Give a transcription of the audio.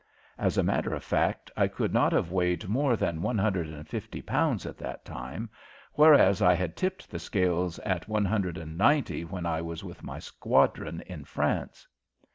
As a matter of fact, I could not have weighed more than one hundred and fifty pounds at that time, whereas I had tipped the scales at one hundred and ninety when I was with my squadron in France.